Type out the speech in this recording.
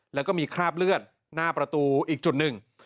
แล้วก็มีคราบเลือดหน้าประตูอีกจุดหนึ่ง